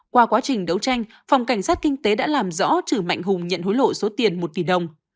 qua quá trình đấu tranh phòng cảnh sát kinh tế đã làm rõ chử mạnh hùng nhận hối lộ số tiền một tỷ đồng